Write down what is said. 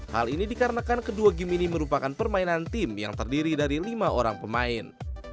hal ini dikarenakan kedua game ini merupakan permainan tim yang terdiri dari lima orang pemain